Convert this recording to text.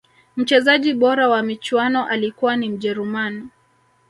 mchezaji bora wa michuano alikuwa ni mjeruman